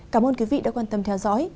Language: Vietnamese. cảm ơn quý vị đã quan tâm theo dõi